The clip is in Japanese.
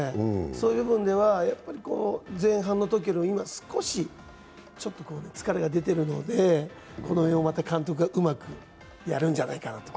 そういう部分では前半のときよりは今少し疲れが出てるのでこの辺も、また監督がうまくやるんじゃないかなと。